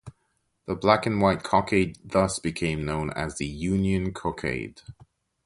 The black-and-white cockade thus became known as the "Union Cockade".